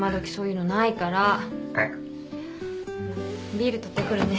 ビール取ってくるね。